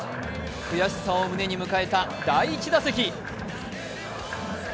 悔しさを胸に迎えた第１打席。